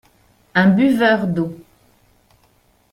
Un buveur d’eau.